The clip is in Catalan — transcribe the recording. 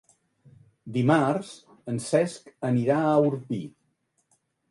Dimarts en Cesc anirà a Orpí.